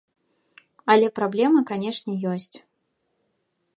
Але праблема, канешне, ёсць.